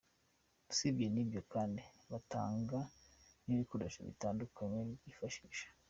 Usibye n’ibyo kandi batanga n’ibikoresho bitandukanye twifashisha.